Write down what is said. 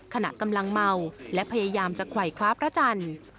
ขณะกำลังเมาและพยายามจะไขว่คว้าพระจันทร์